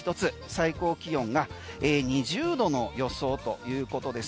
最高気温が２０度の予想ということです。